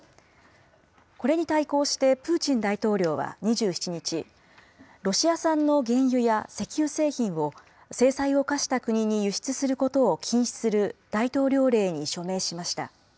これに対抗してプーチン大統領は２７日、ロシア産の原油や石油製品を、制裁を科した国に輸出することを禁止する大統領令に署名しました。